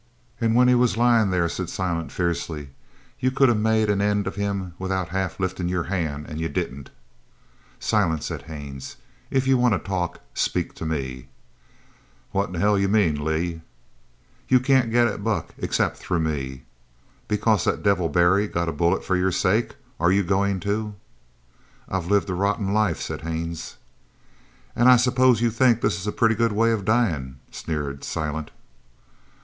"An' when he was lyin' there," said Silent fiercely, "you could of made an' end of him without half liftin' your hand, an' you didn't." "Silent," said Haines, "if you want to talk, speak to me." "What in hell do you mean, Lee?" "You can't get at Buck except through me." "Because that devil Barry got a bullet for your sake are you goin' to " "I've lived a rotten life," said Haines. "An' I suppose you think this is a pretty good way of dyin'?" sneered Silent.